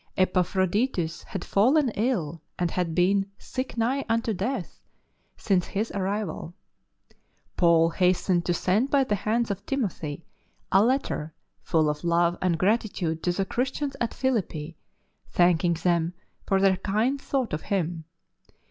Epaphroditus had fallen ill, and had been " sick nigh unto death " since his arrival, Paul hastened to send by the hands of Timothy a letter full of love and gratitude to the Christians at Philippi, thanking them for their kind thought of him.